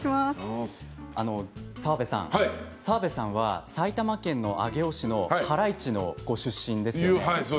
澤部さん、澤部さんは埼玉県上尾市原市のご出身ですよね。